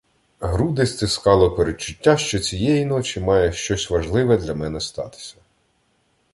Груди стискало передчуття, що цієї ночі має щось важливе для мене статися.